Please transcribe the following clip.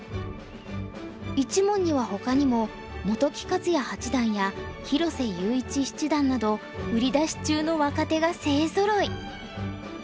一門にはほかにも本木克弥八段や広瀬優一七段など売り出し中の若手が勢ぞろい。